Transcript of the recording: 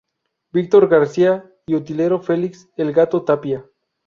Víctor García y Utilero: Felix "El Gato" Tapia.